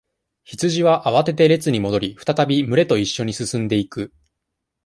羊は、慌てて、列に戻り、再び、群れと一緒に進んでいく。